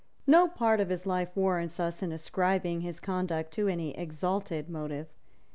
No part of his life warrants us in ascribing his conduct to any exalted motive.